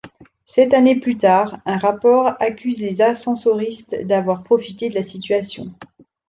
Sept années plus tard, un rapport accuse les ascensoristes d'avoir profité de la situation.